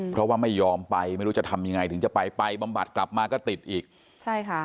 เพราะว่าไม่ยอมไปไม่รู้จะทำยังไงถึงจะไปไปบำบัดกลับมาก็ติดอีกใช่ค่ะ